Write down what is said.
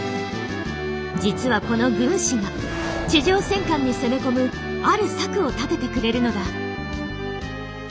実はこの軍師が地上戦艦に攻め込むある策を立ててくれるのだ。